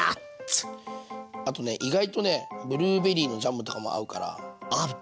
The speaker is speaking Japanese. あとね意外とねブルーベリーのジャムとかも合うから。